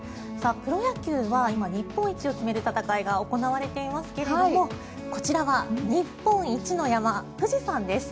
プロ野球は今、日本一を決める戦いが行われていますがこちらは日本一の山富士山です。